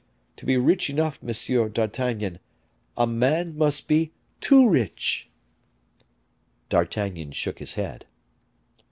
To be rich enough, Monsieur d'Artagnan, a man must be too rich." D'Artagnan shook his head.